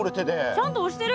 ちゃんとおしてる？